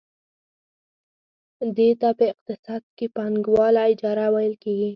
دې ته په اقتصاد کې پانګواله اجاره ویل کېږي